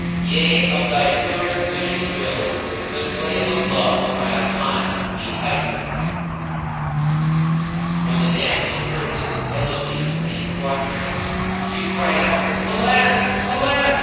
Yea, of my purest wish and will * The slave of Love I'll aye be hight." When the damsel heard this elegy in quatrains she cried out "Alas! Alas!"